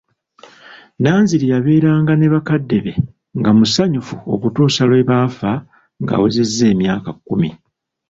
Nanziri yabeeranga ne bakadde be nga musanyufu okutuusa lwe baafa ng'awezezza emyaka kkumi.